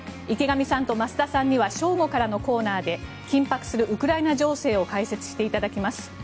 池上さんと増田さんには正午からのコーナーで緊迫するウクライナ情勢を解説していただきます。